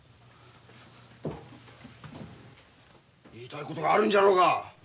言いたいことがあるんじゃろうが。